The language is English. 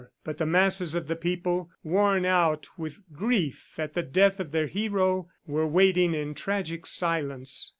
But the masses of the people, worn out with grief at the death of their hero, were waiting in tragic silence.